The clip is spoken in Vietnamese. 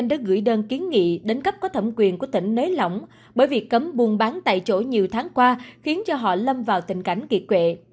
kinh doanh đã gửi đơn kiến nghị đến cấp có thẩm quyền của tỉnh nới lỏng bởi việc cấm buôn bán tại chỗ nhiều tháng qua khiến họ lâm vào tình cảnh kỳ quệ